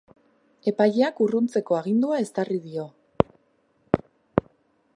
Epaileak urruntzeko agindua ezarri dio.